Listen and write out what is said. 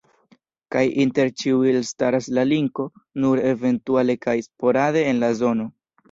Kaj inter ĉiuj elstaras la Linko, nur eventuale kaj sporade en la zono.